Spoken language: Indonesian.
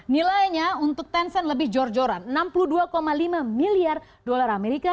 nilainya untuk tencent lebih jor joran enam puluh dua lima miliar dolar amerika